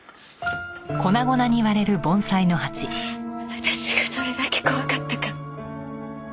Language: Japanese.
私がどれだけ怖かったか。